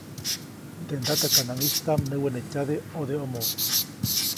Teʼ ndatakanaŋʼistaʼm näwenetyade ʼodeʼomo.